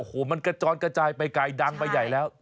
โอ้โหมันกระจอนกระจายไปไกลดังไปใหญ่แล้ว